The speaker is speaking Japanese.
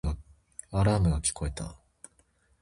アラームが聞こえた